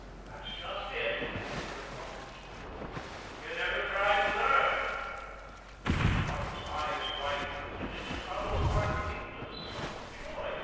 "That's just it," returned Donkin smoothly. "You never tried to learn." Toddles' eyes widened, and into Toddles' heart leaped a sudden joy.